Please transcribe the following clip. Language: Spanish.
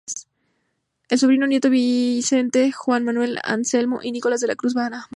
Es sobrino nieto Vicente, Juan Manuel, Anselmo y Nicolas de la Cruz y Bahamonde.